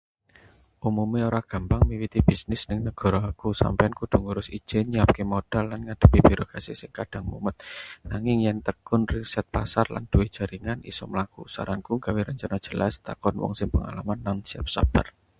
Umumé ora gampang miwiti bisnis ning negara aku. Sampeyan kudu ngurus ijin, nyiapake modal, lan ngadhepi birokrasi sing kadhang mumet. Nanging yèn tekun, riset pasar, lan duwé jaringan, isa mlaku. Saranku: gawe rencana jelas, takon wong sing pengalaman, lan siap sabar.